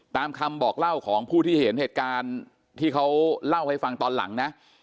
ตามคำบอกเล่าของผู้ที่เห็นเหตุการณ์ที่เขาเล่าให้ฟังตอนหลังนะ